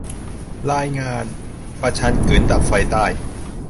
รายงาน : ประชันกึ๋นดับไฟใต้